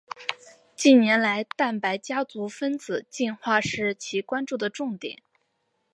近年来蛋白家族分子进化是其关注的重点。